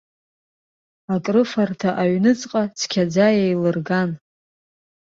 Акрыфарҭа аҩныҵҟа цқьаӡа еилырган.